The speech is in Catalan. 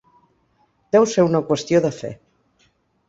Deu ser una qüestió de fe.